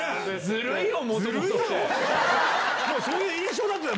そういう印象だったよ